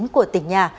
của tỉnh nhà